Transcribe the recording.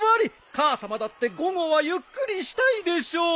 母さまだって午後はゆっくりしたいでしょう！